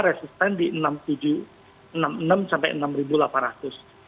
resisten di rp enam enam ratus enam puluh enam sampai rp enam delapan ratus